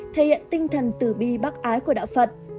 thể hiện tinh thần tử bi bắc ái của đạo phật